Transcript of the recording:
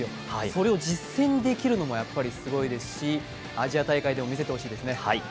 それを実践できるのもすごいですし、アジア大会でも見せてほしいですね。